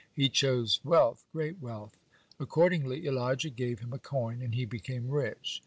He chose wealth, great wealth. Accordingly Elijah gave him a coin, and he became rich.